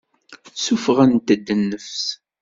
Ssuffɣent-d nnefs.